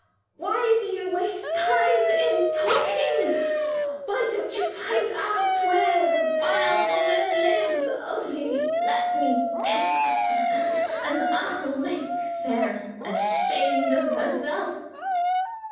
Why do you waste time in talking? Why don't you find out where the vile woman lives? Only let me get at her and I'll make Sara ashamed of herself."